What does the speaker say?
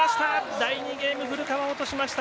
第２ゲーム、古川落としました。